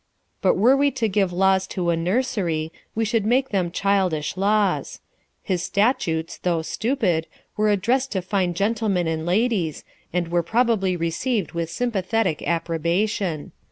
* But were we to give laws to a nursery, we should make them childish laws ; his statutes, though stupid, were addressed to fine gentlemen and ladies, and were probably received with sympathetic approbation.